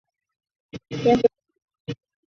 附近设有秀茂坪警署及基督教联合医院。